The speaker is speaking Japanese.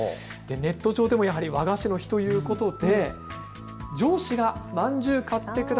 ネット上でも和菓子の日ということで。